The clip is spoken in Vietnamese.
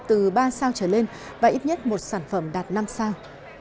từ ba sao trở lên và ít nhất một sản phẩm đạt năm sao